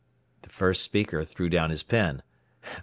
The first speaker threw down his pen.